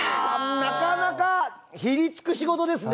なかなかひりつく仕事ですね。